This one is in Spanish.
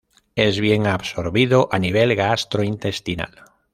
Es bien absorbido a nivel gastrointestinal.